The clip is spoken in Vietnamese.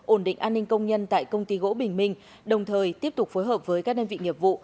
ổn định an ninh công nhân tại công ty gỗ bình minh đồng thời tiếp tục phối hợp với các đơn vị nghiệp vụ